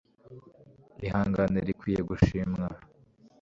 Ihangane rikwiye gushimwa